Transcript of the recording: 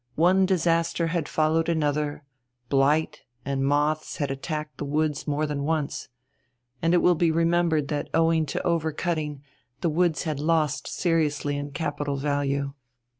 One disaster had followed another; blight and moths had attacked the woods more than once. And it will be remembered that owing to over cutting the woods had lost seriously in capital value.